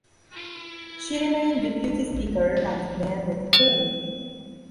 She remained deputy speaker until the end of the term.